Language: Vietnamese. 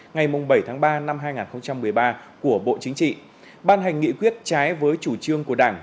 ngày bảy tháng ba năm hai nghìn một mươi ba của bộ chính trị ban hành nghị quyết trái với chủ trương của đảng